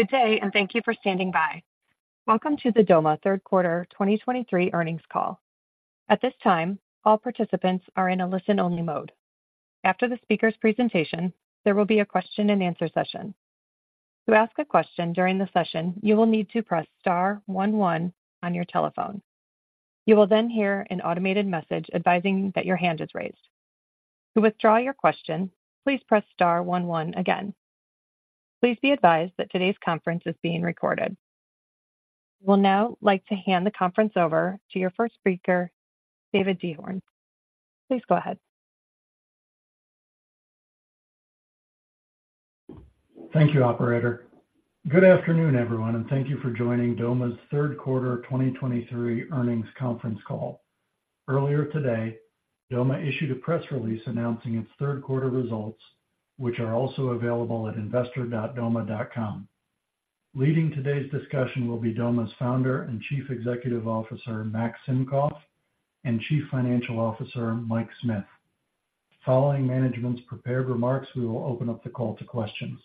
Good day, and thank you for standing by. Welcome to the Doma third quarter 2023 earnings call. At this time, all participants are in a listen-only mode. After the speaker's presentation, there will be a question and answer session. To ask a question during the session, you will need to press star one one on your telephone. You will then hear an automated message advising that your hand is raised. To withdraw your question, please press star one one again. Please be advised that today's conference is being recorded. We'll now like to hand the conference over to your first speaker, Dave DeHorn. Please go ahead. Thank you, operator. Good afternoon, everyone, and thank you for joining Doma's third quarter 2023 earnings conference call. Earlier today, Doma issued a press release announcing its third quarter results, which are also available at investor.doma.com. Leading today's discussion will be Doma's founder and Chief Executive Officer, Max Simkoff, and Chief Financial Officer, Mike Smith. Following management's prepared remarks, we will open up the call to questions.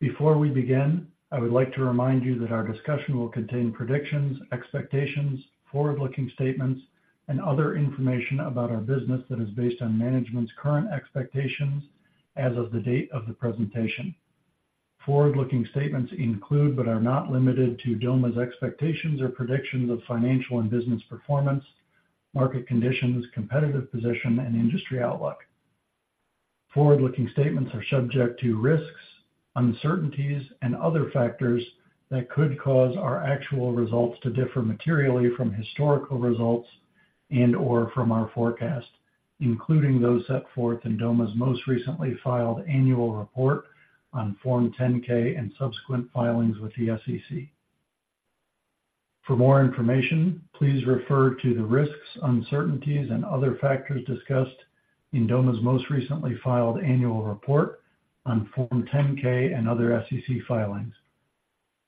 Before we begin, I would like to remind you that our discussion will contain predictions, expectations, forward-looking statements, and other information about our business that is based on management's current expectations as of the date of the presentation. Forward-looking statements include, but are not limited to, Doma's expectations or predictions of financial and business performance, market conditions, competitive position, and industry outlook. Forward-looking statements are subject to risks, uncertainties, and other factors that could cause our actual results to differ materially from historical results and/or from our forecast, including those set forth in Doma's most recently filed annual report on Form 10-K and subsequent filings with the SEC. For more information, please refer to the risks, uncertainties, and other factors discussed in Doma's most recently filed annual report on Form 10-K and other SEC filings.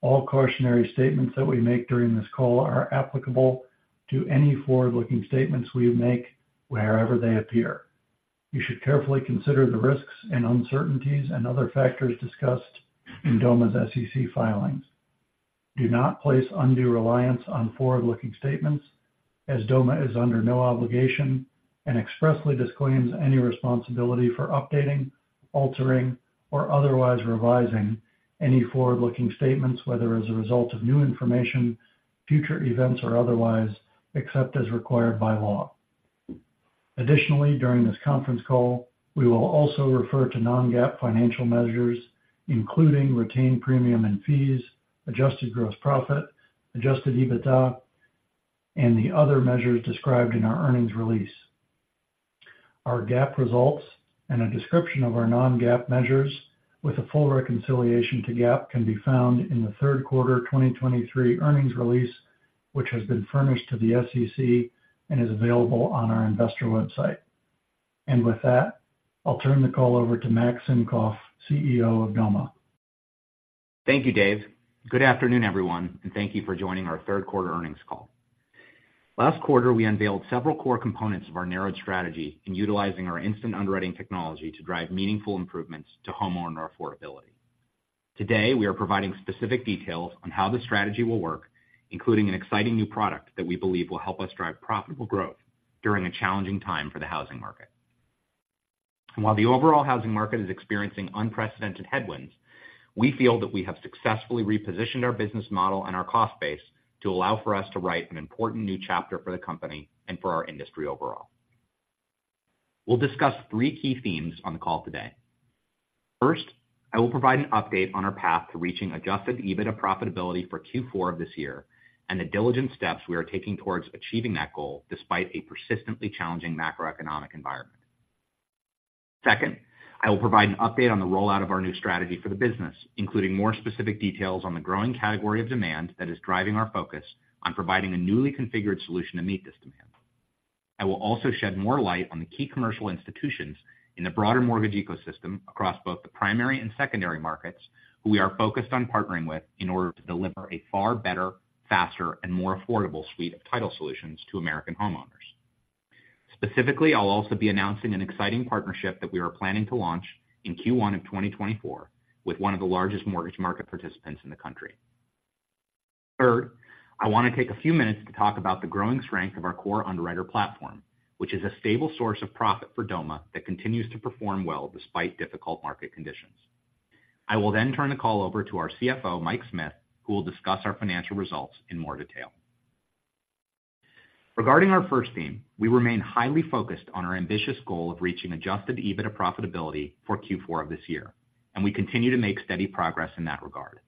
All cautionary statements that we make during this call are applicable to any forward-looking statements we make wherever they appear. You should carefully consider the risks and uncertainties and other factors discussed in Doma's SEC filings. Do not place undue reliance on forward-looking statements as Doma is under no obligation and expressly disclaims any responsibility for updating, altering, or otherwise revising any forward-looking statements, whether as a result of new information, future events, or otherwise, except as required by law. Additionally, during this conference call, we will also refer to non-GAAP financial measures, including retained premiums and fees, adjusted gross profit, adjusted EBITDA, and the other measures described in our earnings release. Our GAAP results and a description of our non-GAAP measures with a full reconciliation to GAAP can be found in the third quarter 2023 earnings release, which has been furnished to the SEC and is available on our investor website. With that, I'll turn the call over to Max Simkoff, CEO of Doma. Thank you, Dave. Good afternoon, everyone, and thank you for joining our third quarter earnings call. Last quarter, we unveiled several core components of our narrowed strategy in utilizing our instant underwriting technology to drive meaningful improvements to homeowner affordability. Today, we are providing specific details on how the strategy will work, including an exciting new product that we believe will help us drive profitable growth during a challenging time for the housing market. While the overall housing market is experiencing unprecedented headwinds, we feel that we have successfully repositioned our business model and our cost base to allow for us to write an important new chapter for the company and for our industry overall. We'll discuss three key themes on the call today. First, I will provide an update on our path to reaching Adjusted EBITDA profitability for Q4 of this year and the diligent steps we are taking towards achieving that goal despite a persistently challenging macroeconomic environment. Second, I will provide an update on the rollout of our new strategy for the business, including more specific details on the growing category of demand that is driving our focus on providing a newly configured solution to meet this demand. I will also shed more light on the key commercial institutions in the broader mortgage ecosystem across both the primary and secondary markets, who we are focused on partnering with in order to deliver a far better, faster, and more affordable suite of title solutions to American homeowners. Specifically, I'll also be announcing an exciting partnership that we are planning to launch in Q1 of 2024 with one of the largest mortgage market participants in the country. Third, I want to take a few minutes to talk about the growing strength of our core underwriter platform, which is a stable source of profit for Doma that continues to perform well despite difficult market conditions. I will then turn the call over to our CFO, Mike Smith, who will discuss our financial results in more detail. Regarding our first theme, we remain highly focused on our ambitious goal of reaching Adjusted EBITDA profitability for Q4 of this year, and we continue to make steady progress in that regard.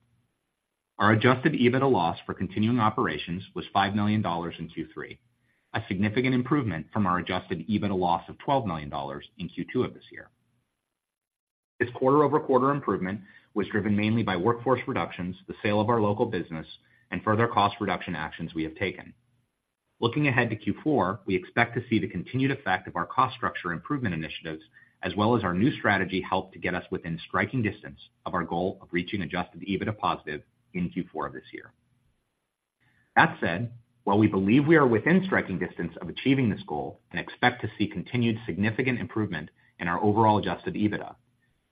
Our Adjusted EBITDA loss for continuing operations was $5 million in Q3, a significant improvement from our Adjusted EBITDA loss of $12 million in Q2 of this year. This quarter-over-quarter improvement was driven mainly by workforce reductions, the sale of our local business, and further cost reduction actions we have taken. Looking ahead to Q4, we expect to see the continued effect of our cost structure improvement initiatives, as well as our new strategy help to get us within striking distance of our goal of reaching Adjusted EBITDA positive in Q4 of this year. That said, while we believe we are within striking distance of achieving this goal and expect to see continued significant improvement in our overall Adjusted EBITDA,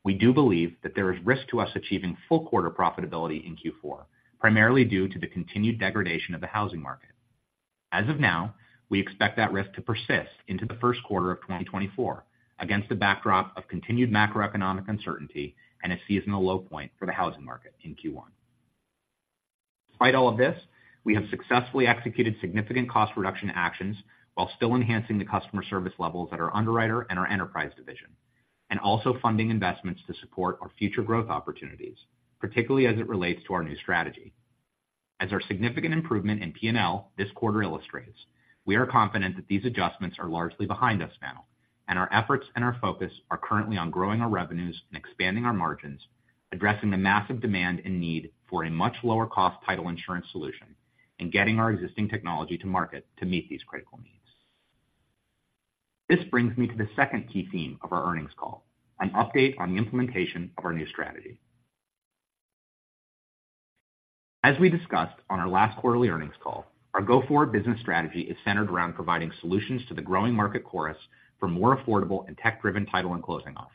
we do believe that there is risk to us achieving full quarter profitability in Q4, primarily due to the continued degradation of the housing market. As of now, we expect that risk to persist into the first quarter of 2024, against the backdrop of continued macroeconomic uncertainty and a seasonal low point for the housing market in Q1. Despite all of this, we have successfully executed significant cost reduction actions while still enhancing the customer service levels at our underwriter and our enterprise division, and also funding investments to support our future growth opportunities, particularly as it relates to our new strategy. As our significant improvement in P&L this quarter illustrates, we are confident that these adjustments are largely behind us now, and our efforts and our focus are currently on growing our revenues and expanding our margins, addressing the massive demand and need for a much lower cost title insurance solution, and getting our existing technology to market to meet these critical needs. This brings me to the second key theme of our earnings call: an update on the implementation of our new strategy. As we discussed on our last quarterly earnings call, our go-forward business strategy is centered around providing solutions to the growing market chorus for more affordable and tech-driven title and closing offerings.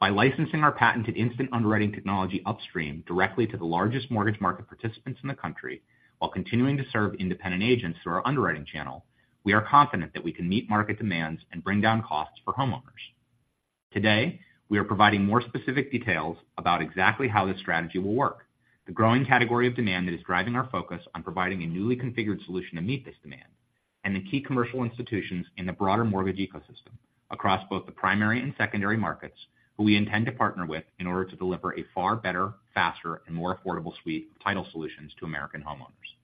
By licensing our patented instant underwriting technology upstream directly to the largest mortgage market participants in the country, while continuing to serve independent agents through our underwriting channel, we are confident that we can meet market demands and bring down costs for homeowners. Today, we are providing more specific details about exactly how this strategy will work, the growing category of demand that is driving our focus on providing a newly configured solution to meet this demand, and the key commercial institutions in the broader mortgage ecosystem across both the primary and secondary markets, who we intend to partner with in order to deliver a far better, faster, and more affordable suite of title solutions to American homeowners.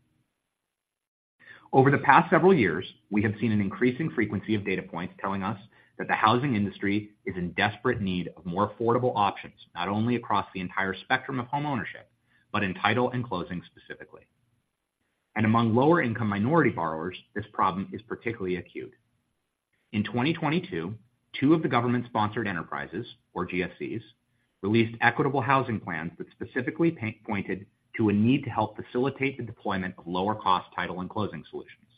Over the past several years, we have seen an increasing frequency of data points telling us that the housing industry is in desperate need of more affordable options, not only across the entire spectrum of homeownership, but in title and closing specifically. Among lower-income minority borrowers, this problem is particularly acute. In 2022, two of the Government-Sponsored Enterprises, or GSEs, released equitable housing plans that specifically pointed to a need to help facilitate the deployment of lower-cost title and closing solutions.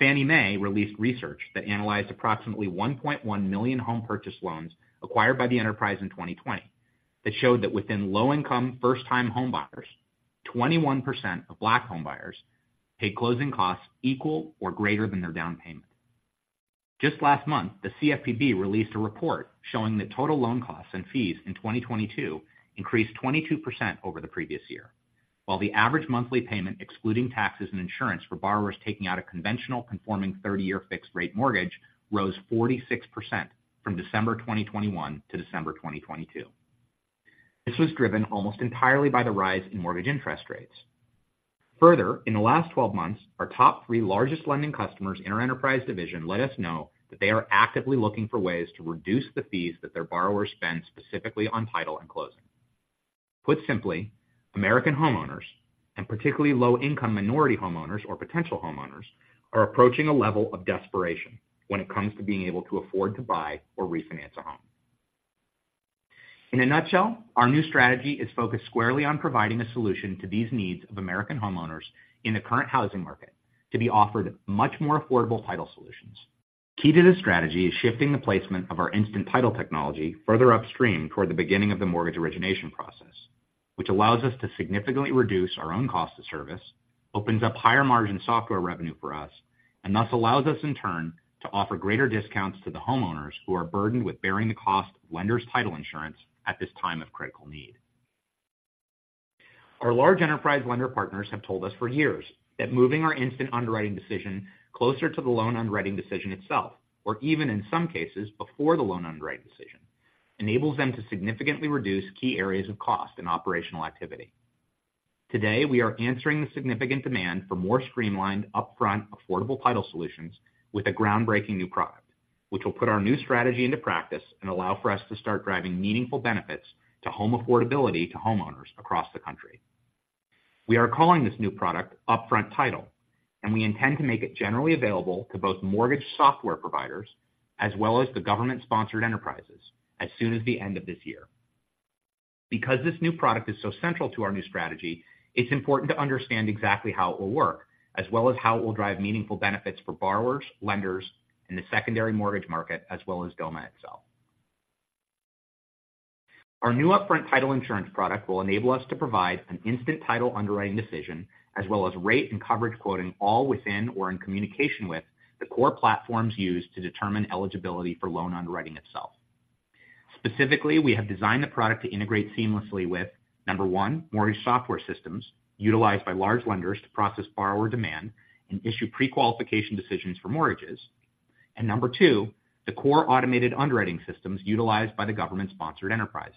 Fannie Mae released research that analyzed approximately 1.1 million home purchase loans acquired by the enterprise in 2020, that showed that within low-income, first-time homebuyers, 21% of Black homebuyers paid closing costs equal or greater than their down payment. Just last month, the CFPB released a report showing that total loan costs and fees in 2022 increased 22% over the previous year, while the average monthly payment, excluding taxes and insurance for borrowers taking out a conventional conforming 30-year fixed rate mortgage, rose 46% from December 2021 to December 2022. This was driven almost entirely by the rise in mortgage interest rates. Further, in the last 12 months, our top three largest lending customers in our enterprise division let us know that they are actively looking for ways to reduce the fees that their borrowers spend specifically on title and closing. Put simply, American homeowners, and particularly low-income minority homeowners or potential homeowners, are approaching a level of desperation when it comes to being able to afford to buy or refinance a home. In a nutshell, our new strategy is focused squarely on providing a solution to these needs of American homeowners in the current housing market to be offered much more affordable title solutions. Key to this strategy is shifting the placement of our instant title technology further upstream toward the beginning of the mortgage origination process, which allows us to significantly reduce our own cost of service, opens up higher margin software revenue for us, and thus allows us in turn, to offer greater discounts to the homeowners who are burdened with bearing the cost of lender's title insurance at this time of critical need. Our large enterprise lender partners have told us for years that moving our instant underwriting decision closer to the loan underwriting decision itself, or even in some cases before the loan underwriting decision, enables them to significantly reduce key areas of cost and operational activity. Today, we are answering the significant demand for more streamlined, upfront, affordable title solutions with a groundbreaking new product, which will put our new strategy into practice and allow for us to start driving meaningful benefits to home affordability to homeowners across the country. We are calling this new product Upfront Title, and we intend to make it generally available to both mortgage software providers as well as the Government-Sponsored Enterprises as soon as the end of this year. Because this new product is so central to our new strategy, it's important to understand exactly how it will work, as well as how it will drive meaningful benefits for borrowers, lenders, and the secondary mortgage market, as well as Doma itself. Our new Upfront Title insurance product will enable us to provide an instant title underwriting decision, as well as rate and coverage quoting all within or in communication with the core platforms used to determine eligibility for loan underwriting itself. Specifically, we have designed the product to integrate seamlessly with, number one, mortgage software systems utilized by large lenders to process borrower demand and issue prequalification decisions for mortgages. And number two, the core automated underwriting systems utilized by the Government-Sponsored Enterprises.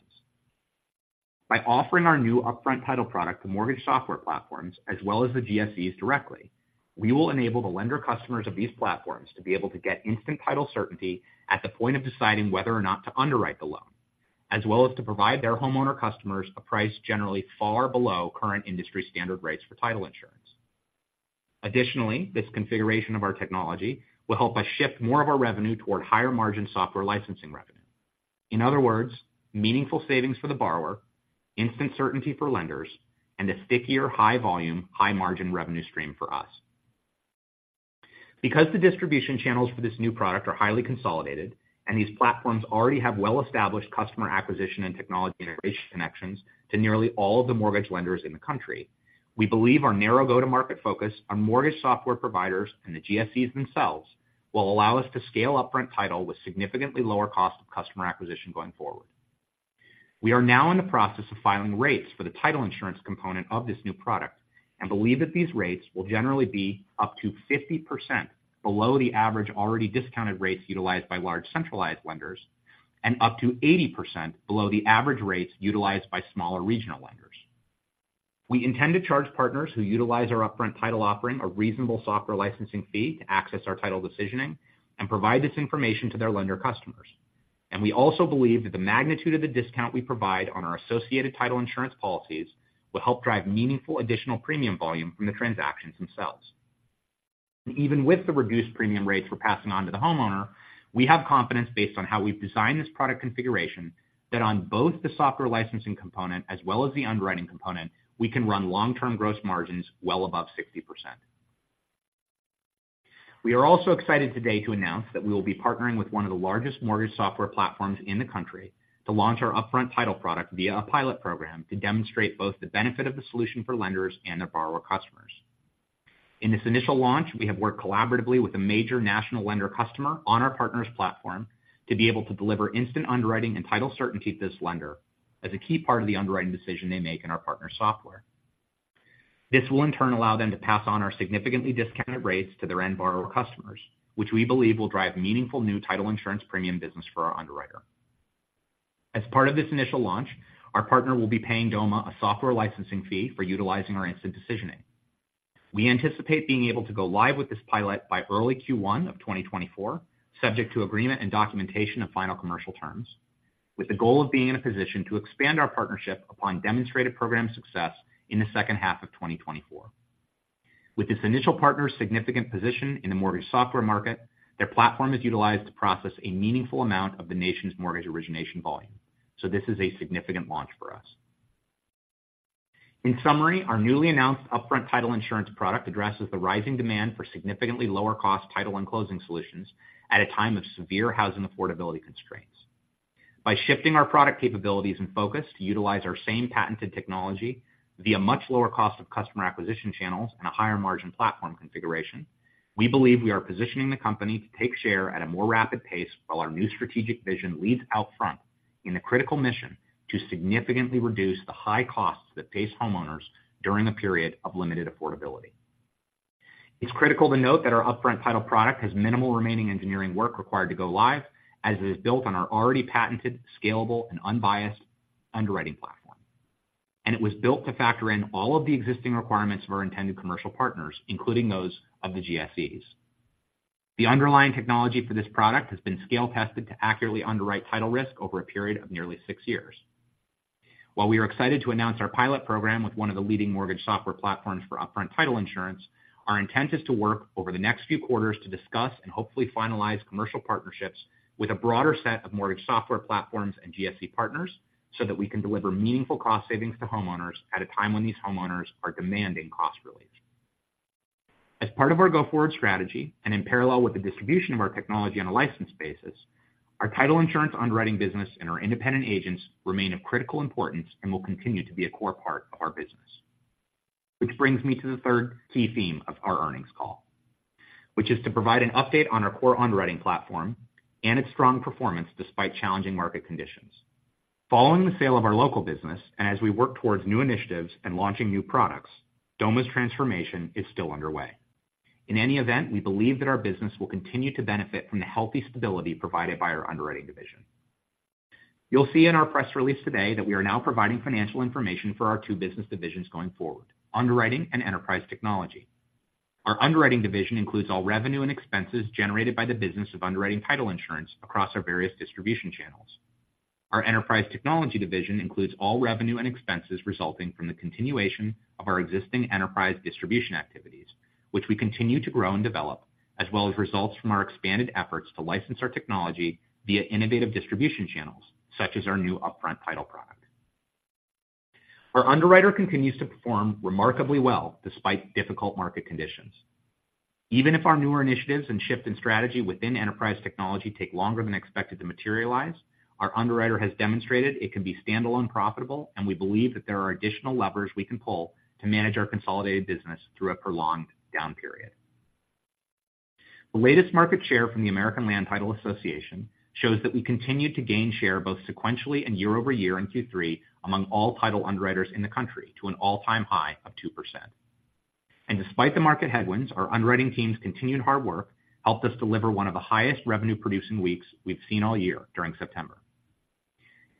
By offering our new Upfront Title product to mortgage software platforms as well as the GSEs directly, we will enable the lender customers of these platforms to be able to get instant title certainty at the point of deciding whether or not to underwrite the loan, as well as to provide their homeowner customers a price generally far below current industry standard rates for title insurance. Additionally, this configuration of our technology will help us shift more of our revenue toward higher-margin software licensing revenue. In other words, meaningful savings for the borrower, instant certainty for lenders, and a stickier, high volume, high-margin revenue stream for us. Because the distribution channels for this new product are highly consolidated, and these platforms already have well-established customer acquisition and technology integration connections to nearly all of the mortgage lenders in the country, we believe our narrow go-to-market focus on mortgage software providers and the GSEs themselves will allow us to scale Upfront Title with significantly lower cost of customer acquisition going forward. We are now in the process of filing rates for the title insurance component of this new product, and believe that these rates will generally be up to 50% below the average already discounted rates utilized by large centralized lenders, and up to 80% below the average rates utilized by smaller regional lenders. We intend to charge partners who utilize our Upfront Title offering a reasonable software licensing fee to access our title decisioning and provide this information to their lender customers. We also believe that the magnitude of the discount we provide on our associated title insurance policies will help drive meaningful additional premium volume from the transactions themselves. Even with the reduced premium rates we're passing on to the homeowner, we have confidence based on how we've designed this product configuration, that on both the software licensing component as well as the underwriting component, we can run long-term gross margins well above 60%. We are also excited today to announce that we will be partnering with one of the largest mortgage software platforms in the country to launch our Upfront Title product via a pilot program to demonstrate both the benefit of the solution for lenders and their borrower customers. In this initial launch, we have worked collaboratively with a major national lender customer on our partner's platform to be able to deliver instant underwriting and title certainty to this lender as a key part of the underwriting decision they make in our partner software. This will, in turn, allow them to pass on our significantly discounted rates to their end borrower customers, which we believe will drive meaningful new title insurance premium business for our underwriter. As part of this initial launch, our partner will be paying Doma a software licensing fee for utilizing our instant decisioning. We anticipate being able to go live with this pilot by early Q1 of 2024, subject to agreement and documentation of final commercial terms, with the goal of being in a position to expand our partnership upon demonstrated program success in the second half of 2024. With this initial partner's significant position in the mortgage software market, their platform is utilized to process a meaningful amount of the nation's mortgage origination volume. So this is a significant launch for us. In summary, our newly announced Upfront Title insurance product addresses the rising demand for significantly lower-cost title and closing solutions at a time of severe housing affordability constraints. By shifting our product capabilities and focus to utilize our same patented technology via much lower cost of customer acquisition channels and a higher-margin platform configuration, we believe we are positioning the company to take share at a more rapid pace while our new strategic vision leads out front in the critical mission to significantly reduce the high costs that face homeowners during a period of limited affordability. It's critical to note that our Upfront Title product has minimal remaining engineering work required to go live, as it is built on our already patented, scalable and unbiased underwriting platform. It was built to factor in all of the existing requirements of our intended commercial partners, including those of the GSEs. The underlying technology for this product has been scale-tested to accurately underwrite title risk over a period of nearly six years. While we are excited to announce our pilot program with one of the leading mortgage software platforms for upfront title insurance, our intent is to work over the next few quarters to discuss and hopefully finalize commercial partnerships with a broader set of mortgage software platforms and GSE partners, so that we can deliver meaningful cost savings to homeowners at a time when these homeowners are demanding cost relief. As part of our go-forward strategy, and in parallel with the distribution of our technology on a license basis, our title insurance underwriting business and our independent agents remain of critical importance and will continue to be a core part of our business. Which brings me to the third key theme of our earnings call, which is to provide an update on our core underwriting platform and its strong performance despite challenging market conditions. Following the sale of our local business, and as we work towards new initiatives and launching new products, Doma's transformation is still underway. In any event, we believe that our business will continue to benefit from the healthy stability provided by our underwriting division. You'll see in our press release today that we are now providing financial information for our two business divisions going forward: underwriting and enterprise technology. Our underwriting division includes all revenue and expenses generated by the business of underwriting title insurance across our various distribution channels. Our enterprise technology division includes all revenue and expenses resulting from the continuation of our existing enterprise distribution activities, which we continue to grow and develop, as well as results from our expanded efforts to license our technology via innovative distribution channels, such as our new Upfront Title product. Our underwriter continues to perform remarkably well despite difficult market conditions. Even if our newer initiatives and shift in strategy within enterprise technology take longer than expected to materialize, our underwriter has demonstrated it can be standalone profitable, and we believe that there are additional levers we can pull to manage our consolidated business through a prolonged down period. The latest market share from the American Land Title Association shows that we continued to gain share both sequentially and year-over-year in Q3 among all title underwriters in the country to an all-time high of 2%. Despite the market headwinds, our underwriting team's continued hard work helped us deliver one of the highest revenue-producing weeks we've seen all year during September.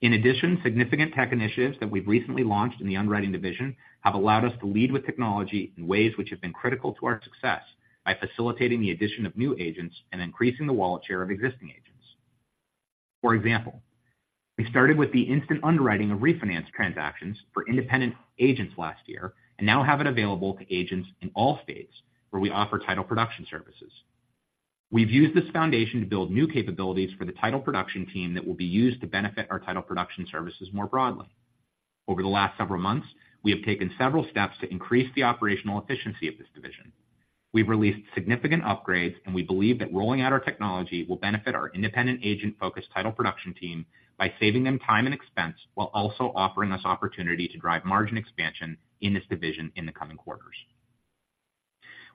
In addition, significant tech initiatives that we've recently launched in the underwriting division have allowed us to lead with technology in ways which have been critical to our success by facilitating the addition of new agents and increasing the wallet share of existing agents. For example, we started with the instant underwriting of refinance transactions for independent agents last year and now have it available to agents in all states where we offer title production services. We've used this foundation to build new capabilities for the title production team that will be used to benefit our title production services more broadly. Over the last several months, we have taken several steps to increase the operational efficiency of this division. We've released significant upgrades, and we believe that rolling out our technology will benefit our independent agent-focused title production team by saving them time and expense, while also offering us opportunity to drive margin expansion in this division in the coming quarters.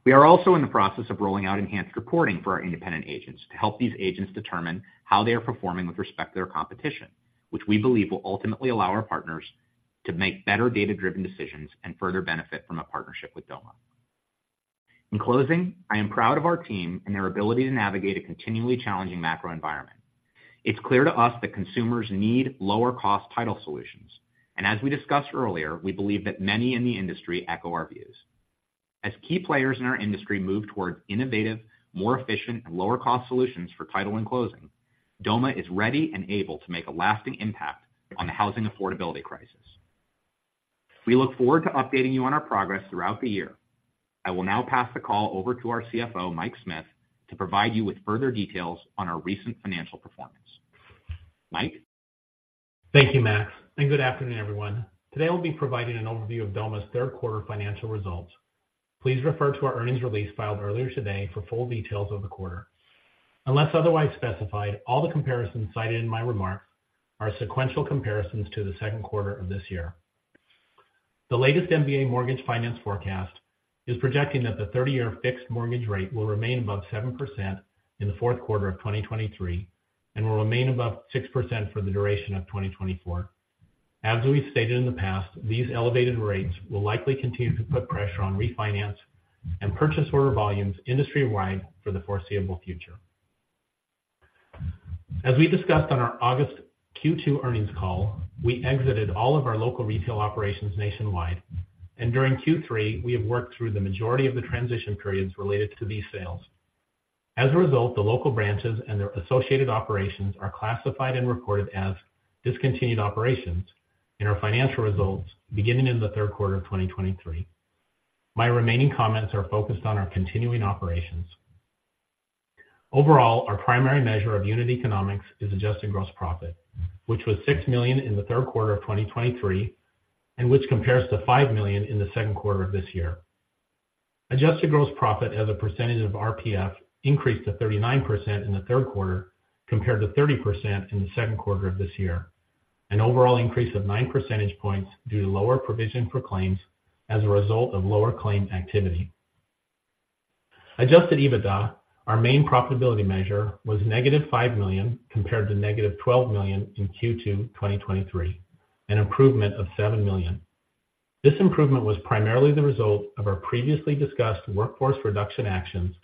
We are also in the process of rolling out enhanced reporting for our independent agents to help these agents determine how they are performing with respect to their competition, which we believe will ultimately allow our partners to make better data-driven decisions and further benefit from a partnership with Doma. In closing, I am proud of our team and their ability to navigate a continually challenging macro environment. It's clear to us that consumers need lower-cost title solutions, and as we discussed earlier, we believe that many in the industry echo our views. As key players in our industry move towards innovative, more efficient, and lower-cost solutions for title and closing, Doma is ready and able to make a lasting impact on the housing affordability crisis. We look forward to updating you on our progress throughout the year. I will now pass the call over to our CFO, Mike Smith, to provide you with further details on our recent financial performance. Mike? Thank you, Max, and good afternoon, everyone. Today, I'll be providing an overview of Doma's third quarter financial results. Please refer to our earnings release filed earlier today for full details of the quarter. Unless otherwise specified, all the comparisons cited in my remarks are sequential comparisons to the second quarter of this year. The latest MBA mortgage finance forecast is projecting that the 30-year fixed mortgage rate will remain above 7% in the fourth quarter of 2023, and will remain above 6% for the duration of 2024. As we've stated in the past, these elevated rates will likely continue to put pressure on refinance and purchase order volumes industry-wide for the foreseeable future. As we discussed on our August Q2 earnings call, we exited all of our local retail operations nationwide, and during Q3, we have worked through the majority of the transition periods related to these sales. As a result, the local branches and their associated operations are classified and recorded as discontinued operations in our financial results beginning in the third quarter of 2023. My remaining comments are focused on our continuing operations. Overall, our primary measure of unit economics is Adjusted Gross Profit, which was $6 million in the third quarter of 2023, and which compares to $5 million in the second quarter of this year. Adjusted gross profit as a percentage of RPF increased to 39% in the third quarter, compared to 30% in the second quarter of this year, an overall increase of 9 percentage points due to lower provision for claims as a result of lower claim activity. Adjusted EBITDA, our main profitability measure, was -$5 million, compared to -$12 million in Q2 2023, an improvement of $7 million. This improvement was primarily the result of our previously discussed workforce reduction actions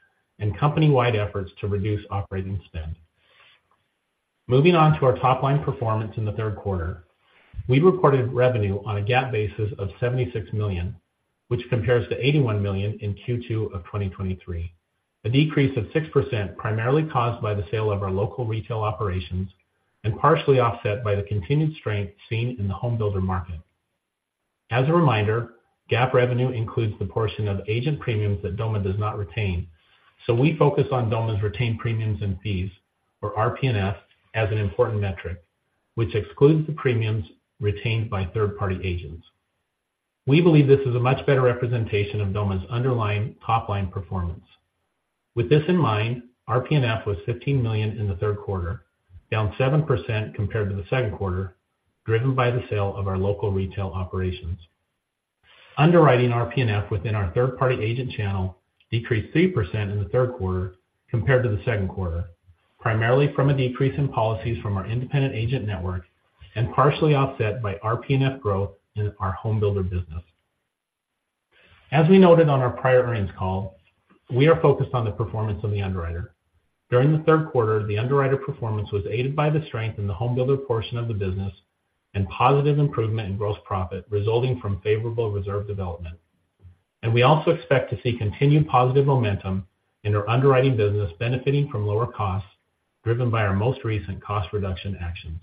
and company-wide efforts to reduce operating spend. Moving on to our top-line performance in the third quarter. We recorded revenue on a GAAP basis of $76 million, which compares to $81 million in Q2 2023, a decrease of 6%, primarily caused by the sale of our local retail operations and partially offset by the continued strength seen in the home builder market. As a reminder, GAAP revenue includes the portion of agent premiums that Doma does not retain, so we focus on Doma's retained premiums and fees, or RP&F, as an important metric, which excludes the premiums retained by third-party agents. We believe this is a much better representation of Doma's underlying top-line performance. With this in mind, RP&F was $15 million in the third quarter, down 7% compared to the second quarter, driven by the sale of our local retail operations. Underwriting RP&F within our third-party agent channel decreased 3% in the third quarter compared to the second quarter, primarily from a decrease in policies from our independent agent network and partially offset by RP&F growth in our home builder business. As we noted on our prior earnings call, we are focused on the performance of the underwriter. During the third quarter, the underwriter performance was aided by the strength in the home builder portion of the business and positive improvement in gross profit resulting from favorable reserve development. We also expect to see continued positive momentum in our underwriting business, benefiting from lower costs, driven by our most recent cost reduction actions.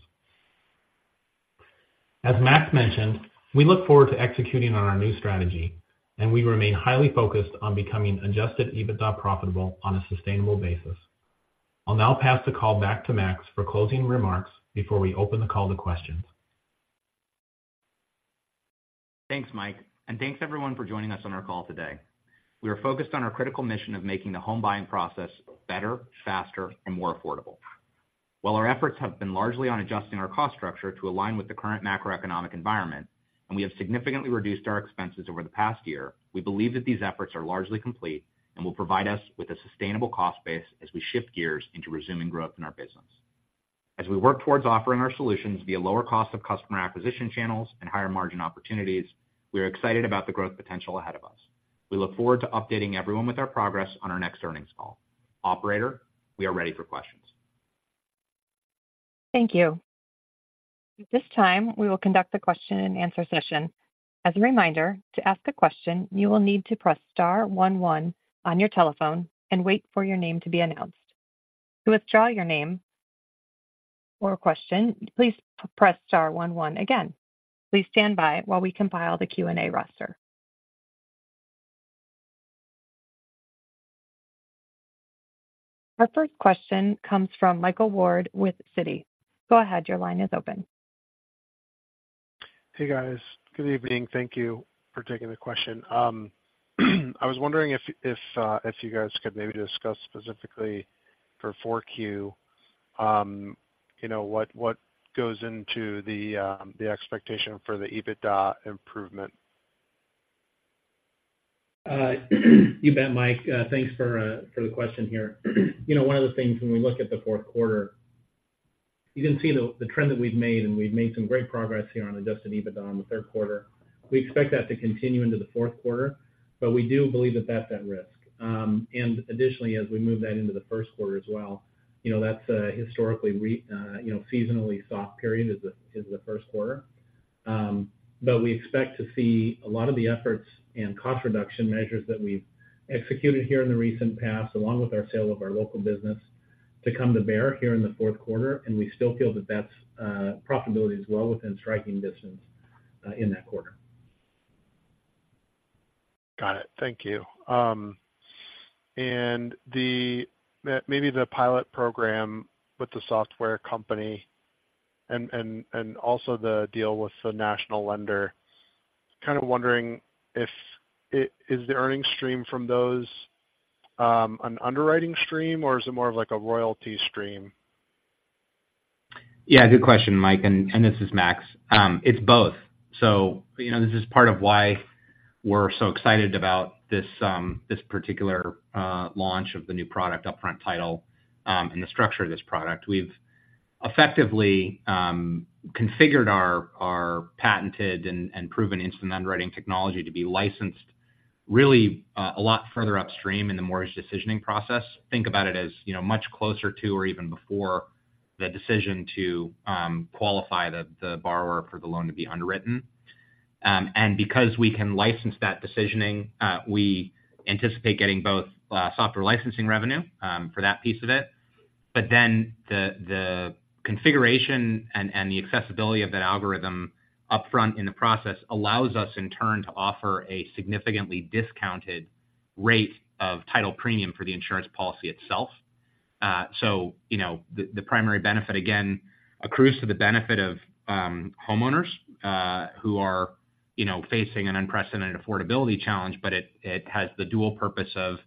As Max mentioned, we look forward to executing on our new strategy, and we remain highly focused on becoming Adjusted EBITDA profitable on a sustainable basis. I'll now pass the call back to Max for closing remarks before we open the call to questions. Thanks, Mike, and thanks, everyone, for joining us on our call today. We are focused on our critical mission of making the home buying process better, faster, and more affordable. While our efforts have been largely on adjusting our cost structure to align with the current macroeconomic environment, and we have significantly reduced our expenses over the past year, we believe that these efforts are largely complete and will provide us with a sustainable cost base as we shift gears into resuming growth in our business. As we work towards offering our solutions via lower cost of customer acquisition channels and higher-margin opportunities, we are excited about the growth potential ahead of us. We look forward to updating everyone with our progress on our next earnings call. Operator, we are ready for questions. Thank you. At this time, we will conduct a question and answer session. As a reminder, to ask a question, you will need to press star one one on your telephone and wait for your name to be announced. To withdraw your name or question, please press star one one again. Please stand by while we compile the Q&A roster. Our first question comes from Michael Ward with Citi. Go ahead. Your line is open. Hey, guys. Good evening. Thank you for taking the question. I was wondering if you guys could maybe discuss specifically for 4Q, you know, what goes into the expectation for the EBITDA improvement? You bet, Mike. Thanks for the question here. You know, one of the things when we look at the fourth quarter, you can see the trend that we've made, and we've made some great progress here on Adjusted EBITDA on the third quarter. We expect that to continue into the fourth quarter, but we do believe that that's at risk. And additionally, as we move that into the first quarter as well, you know, that's a historically, you know, seasonally soft period is the first quarter. We expect to see a lot of the efforts and cost reduction measures that we've executed here in the recent past, along with our sale of our local business, to come to bear here in the fourth quarter, and we still feel that that's profitability as well, within striking distance, in that quarter. Got it. Thank you. And maybe the pilot program with the software company and also the deal with the national lender, kind of wondering if it... Is the earnings stream from those an underwriting stream, or is it more of like a royalty stream? Yeah, good question, Mike. And this is Max. It's both. So, you know, this is part of why we're so excited about this, this particular launch of the new product, Upfront Title, and the structure of this product. We've effectively configured our patented and proven instant underwriting technology to be licensed really a lot further upstream in the mortgage decisioning process. Think about it as, you know, much closer to or even before the decision to qualify the borrower for the loan to be underwritten. And because we can license that decisioning, we anticipate getting both software licensing revenue for that piece of it. But then the configuration and the accessibility of that algorithm upfront in the process allows us, in turn, to offer a significantly discounted rate of title premium for the insurance policy itself. So, you know, the primary benefit, again, accrues to the benefit of homeowners, who are, you know, facing an unprecedented affordability challenge, but it has the dual purpose of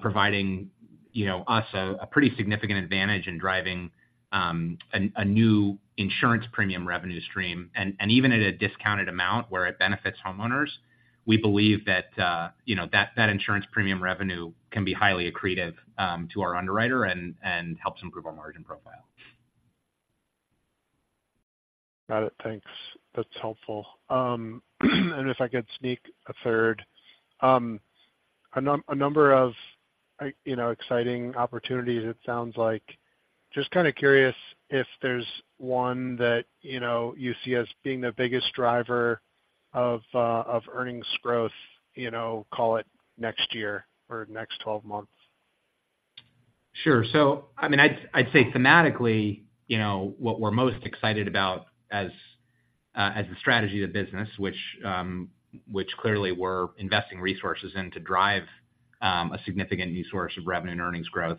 providing, you know, us a pretty significant advantage in driving a new insurance premium revenue stream. And even at a discounted amount where it benefits homeowners, we believe that, you know, that insurance premium revenue can be highly accretive to our underwriter and helps improve our margin profile. Got it. Thanks. That's helpful. And if I could sneak a third. A number of, you know, exciting opportunities it sounds like, just kind of curious if there's one that, you know, you see as being the biggest driver of earnings growth, you know, call it next year or next twelve months. Sure. So, I mean, I'd say thematically, you know, what we're most excited about as a strategy of the business, which clearly we're investing resources in to drive a significant new source of revenue and earnings growth,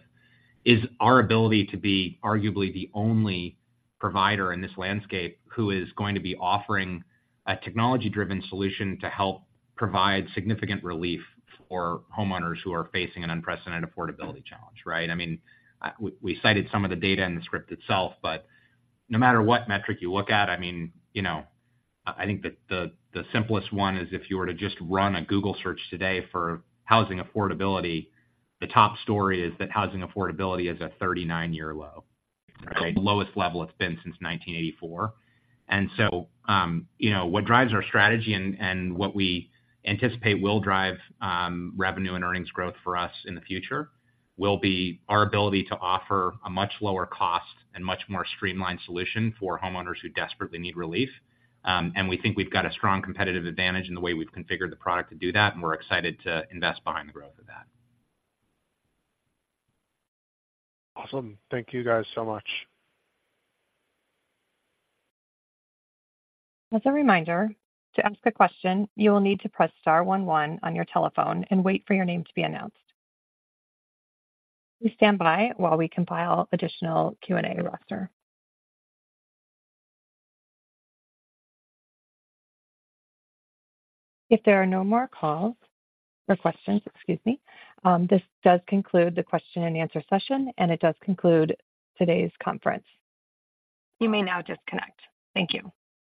is our ability to be arguably the only provider in this landscape who is going to be offering a technology-driven solution to help provide significant relief for homeowners who are facing an unprecedented affordability challenge, right? I mean, we cited some of the data in the script itself, but no matter what metric you look at, I mean, you know, I think the simplest one is if you were to just run a Google search today for housing affordability, the top story is that housing affordability is at 39-year low, right? Lowest level it's been since 1984. So, you know, what drives our strategy and what we anticipate will drive revenue and earnings growth for us in the future will be our ability to offer a much lower cost and much more streamlined solution for homeowners who desperately need relief. We think we've got a strong competitive advantage in the way we've configured the product to do that, and we're excited to invest behind the growth of that. Awesome. Thank you guys so much. As a reminder, to ask a question, you will need to press star one one on your telephone and wait for your name to be announced. Please stand by while we compile additional Q&A roster. If there are no more calls or questions, excuse me, this does conclude the question and answer session, and it does conclude today's conference. You may now disconnect. Thank you.